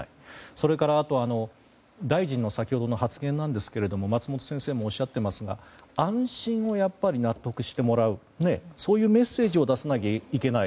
それから大臣の先ほどの発言ですが松本先生もおっしゃっていますが安心を納得してもらうそういうメッセージを出さないといけない。